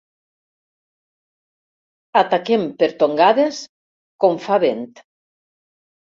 Ataquem per tongades, com fa vent.